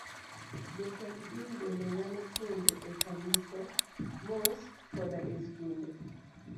Jotend din bende nyalo puonjo e kanise, mosque koda e skunde